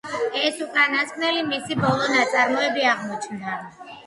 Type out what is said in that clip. ეს უკანასკნელი მისი ბოლო ნაწარმოები აღმოჩნდა.